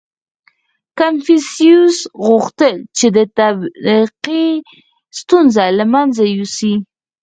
• کنفوسیوس غوښتل، چې د طبقې ستونزه له منځه یوسي.